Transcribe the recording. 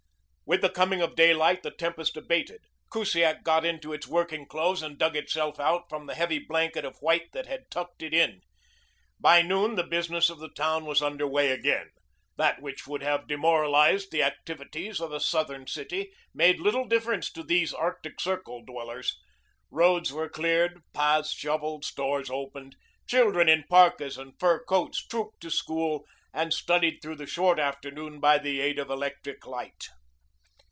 With the coming of daylight the tempest abated. Kusiak got into its working clothes and dug itself out from the heavy blanket of white that had tucked it in. By noon the business of the town was under way again. That which would have demoralized the activities of a Southern city made little difference to these Arctic Circle dwellers. Roads were cleared, paths shoveled, stores opened. Children in parkas and fur coats trooped to school and studied through the short afternoon by the aid of electric light.